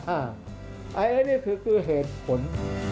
อันนี้คือเหตุผล